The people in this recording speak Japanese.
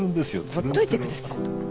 ほっといてください。